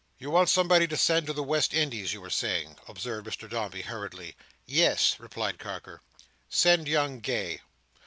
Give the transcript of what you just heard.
"You want somebody to send to the West Indies, you were saying," observed Mr Dombey, hurriedly. "Yes," replied Carker. "Send young Gay."